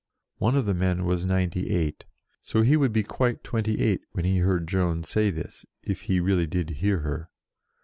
One of the men was ninety eight, so he would be quite twenty eight when he heard Joan say this; if he really did hear her.